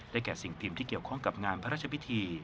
แก่สิ่งพิมพ์ที่เกี่ยวข้องกับงานพระราชพิธี